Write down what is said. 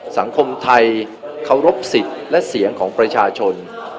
สังคมไทยเคารพสิทธิ์และเสียงของประชาชน